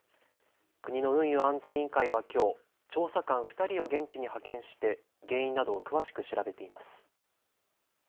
国の運輸安全委員会はきょう調査官２人を現地に派遣して原因などを詳しく調べています。